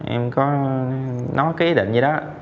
em có nói cái ý định như đó